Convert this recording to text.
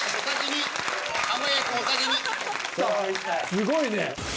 すごいね。